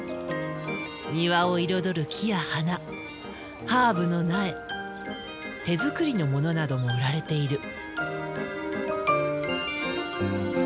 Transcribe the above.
庭を彩る木や花ハーブの苗手作りのものなども売られている。